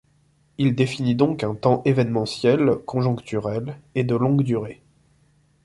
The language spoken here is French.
Il définit donc un temps événementiel, conjoncturel et de longue durée.